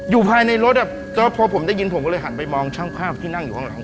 ภายในรถแล้วพอผมได้ยินผมก็เลยหันไปมองช่างภาพที่นั่งอยู่ข้างหลัง